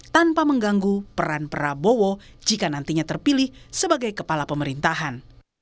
tanpa mengganggu peran prabowo jika nantinya terpilih sebagai kepala pemerintahan